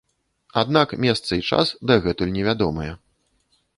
Аднак месца і час дагэтуль невядомыя.